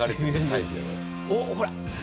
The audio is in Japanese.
おっほら。